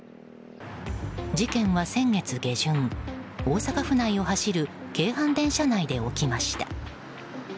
事件は先月下旬、大阪府内を走る京阪電車内で起きました。